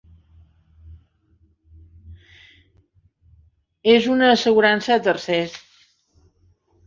És una assegurança a tercers.